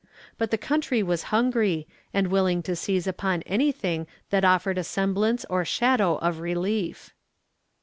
But the country was hungry, and willing to seize upon anything that offered a semblance or shadow of relief.